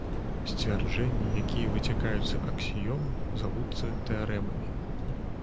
Сцвярджэнні, якія выцякаюць з аксіём, завуцца тэарэмамі.